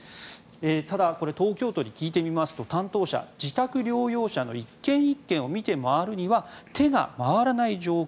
ただ、これ東京都に聞いてみますと担当者は自宅療養者の１軒１軒を見て回るには手が回らない状況。